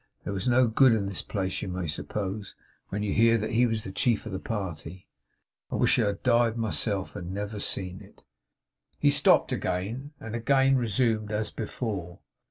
There was no good in the place you may suppose, when you hear that he was the chief of the party. I wish I had died myself, and never seen it!' He stopped again; and again resumed as before.